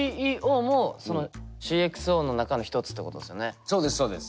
だからそうですそうです。